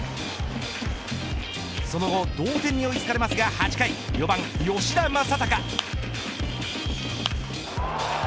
その後同点に追いつかれますが８回４番、吉田正尚。